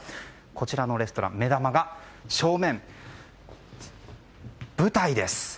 こちらのレストラン目玉が正面の舞台です。